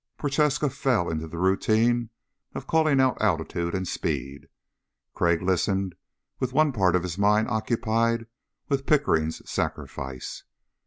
Prochaska fell into the routine of calling out altitude and speed. Crag listened with one part of his mind occupied with Pickering's sacrifice.